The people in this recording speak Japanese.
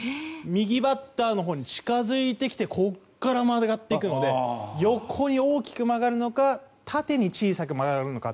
右バッターのほうに近づいてきてここから曲がるので横に大きく曲がるのか縦に小さく曲がるのか